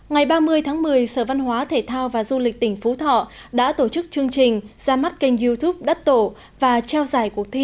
ngày ba mươi tháng một mươi sở văn hóa thể thao và du lịch tỉnh phú thọ đã tổ chức chương trình ra mắt kênh youtube đắt tổ và trao giải cuộc thi